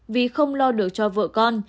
vì không lo được cho vợ con